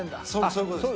そういう事です。